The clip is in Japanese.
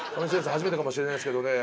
初めてかもしれないですけどね。